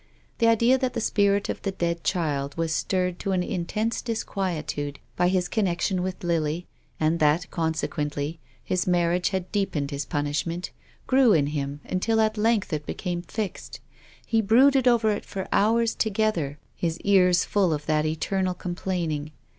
The idea that the spirit of the dead child was stirred to an intense disquietude by his connection with Lily, and that, consequently, his marriage had deepened his pun ishment, grew in him until at length it became fixed. He brooded over it for hours together, his ears full of that eternal complaining.